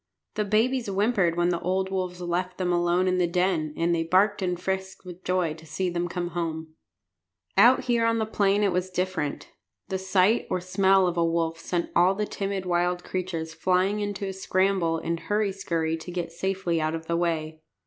The babies whimpered when the old wolves left them alone in the den; and they barked and frisked with joy to see them come home again. Out here on the plain it was different. The sight or smell of a wolf sent all the timid wild creatures flying in a scramble and hurry skurry to get safely out of the way.